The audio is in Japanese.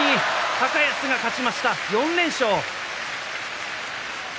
高安が勝ちました、４連勝。